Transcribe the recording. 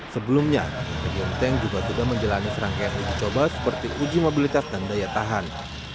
sebelumnya medium tank juga sudah menjalani serangkaian uji coba seperti uji mobilitas dan daya tahan